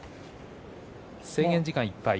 制限時間いっぱい。